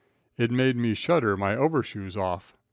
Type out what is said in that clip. It made me shudder my overshoes off.